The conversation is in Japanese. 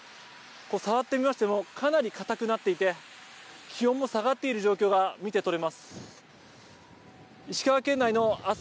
触ってみましても、かなり硬くなっていて、気温も下がっている状況が見て取れます。